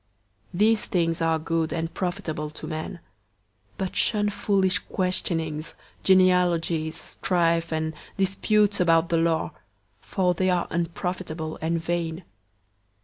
These things are good and profitable to men; 003:009 but shun foolish questionings, genealogies, strife, and disputes about the law; for they are unprofitable and vain.